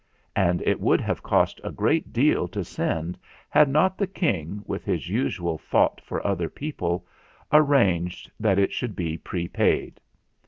And it would have cost a great deal to send had not the King, with his usual thought for other people, arranged that it should be prepaid.